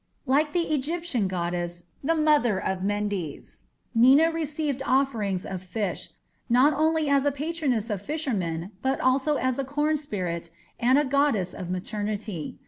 Like the Egyptian goddess, the "Mother of Mendes", Nina received offerings of fish, not only as a patroness of fishermen, but also as a corn spirit and a goddess of maternity.